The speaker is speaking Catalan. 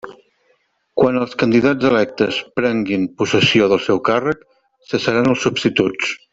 Quan els candidats electes prenguin possessió del seu càrrec, cessaran els substituts.